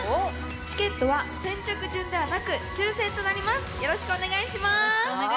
チケットは、先着順ではなく抽選となります、お願いします。